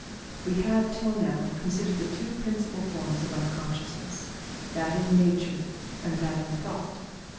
We have, till now, considered the two principal forms of unconsciousness that in nature and that in thought.